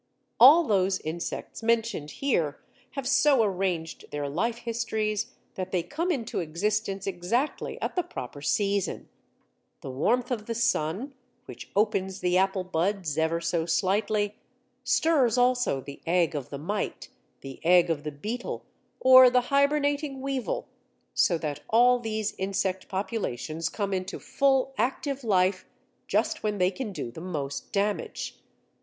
All those insects mentioned here have so arranged their life histories that they come into existence exactly at the proper season. The warmth of the sun, which opens the apple buds ever so slightly, stirs also the egg of the mite, the egg of the beetle, or the hibernating weevil, so that all these insect populations come into full active life just when they can do the most damage.